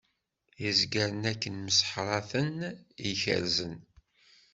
Izgaren akken mseḥṛaten i kerrzen.